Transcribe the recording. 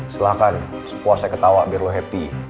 silahkan puasa ketawa biar lo happy